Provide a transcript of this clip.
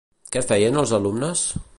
Què feien els alumnes?